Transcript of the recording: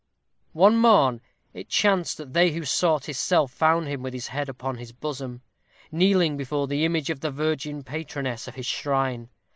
One morn it chanced that they who sought his cell found him with his head upon his bosom, kneeling before the image of the virgin patroness of his shrine.